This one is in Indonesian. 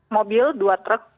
mobil dua truk